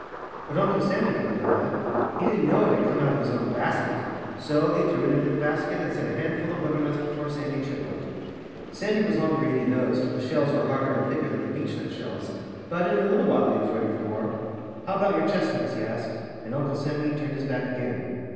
But Uncle Sammy didn't know that. He didn't know it had come out of his own basket. So he threw it into the basket and set a handful of butternuts before Sandy Chipmunk. Sandy was longer eating those, for the shells were harder and thicker than the beechnut shells. But in a little while he was ready for more. "How about your chestnuts?" he asked. And Uncle Sammy turned his back again.